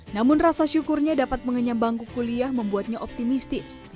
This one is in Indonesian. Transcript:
namun rasa syukurnya dapat mengenyambangku kuliah membuatnya optimistis